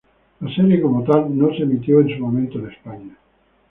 La serie como tal no se emitió en su momento en España.